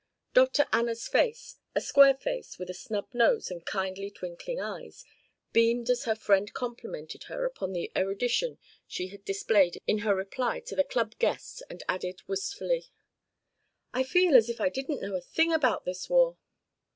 Dr. Anna's face a square face with a snub nose and kindly twinkling eyes beamed as her friend complimented her upon the erudition she had displayed in her reply to the Club guest and added wistfully: "I feel as if I didn't know a thing about this war.